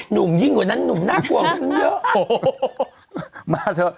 หนุ่มยิ่งกว่านั้นหนุ่มน่ากลัวขึ้นเยอะ